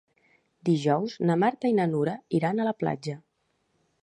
Dijous na Marta i na Nura iran a la platja.